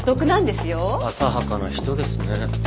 浅はかな人ですね。